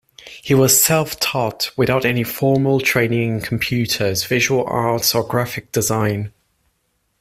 He was self-taught, without any formal training in computers, visual arts, or graphic design.